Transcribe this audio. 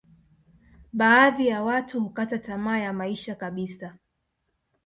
baadhi ya watu hukata tamaa ya maisha kabisa